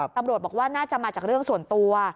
ตำรวจบอกว่าน่าจะมาจากเรื่องส่วนตัว